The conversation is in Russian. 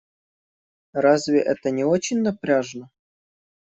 Разве это не очень напряжно?